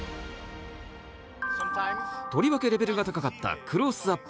とりわけレベルが高かったクロースアップ